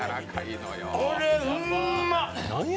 これ、うんまっ。